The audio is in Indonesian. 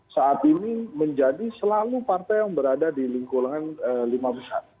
saat ini menjadi selalu partai yang berada di lingkungan lima besar